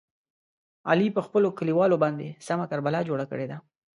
علي په خپلو کلیوالو باندې سمه کربلا جوړه کړې ده.